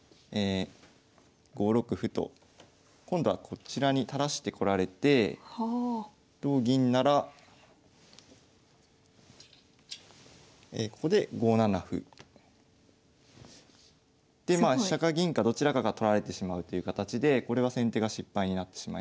５六歩と今度はこちらに垂らしてこられて同銀ならここで５七歩。でまあ飛車か銀かどちらかが取られてしまうという形でこれは先手が失敗になってしまいます。